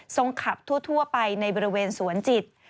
ขับทั่วไปในบริเวณสวนจิต